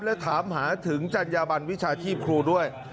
และถามหาถึงจรรยาบรรย์วิชาธิบครูด้วย